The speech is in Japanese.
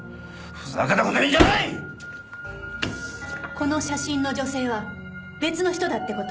この写真の女性は別の人だってこと？